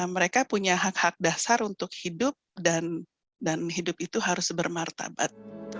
mereka punya hak hak dasar untuk hidup dan hidup itu harus bermartabat